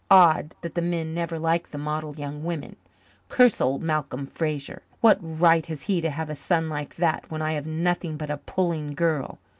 Odd that the men never like the model young women! Curse old Malcolm Fraser! What right has he to have a son like that when I have nothing but a puling girl?